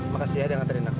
makasih ya udah nganterin aku